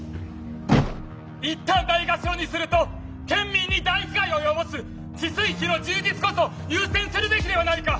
いったんないがしろにすると県民に大被害を及ぼす治水費の充実こそ優先するべきではないか！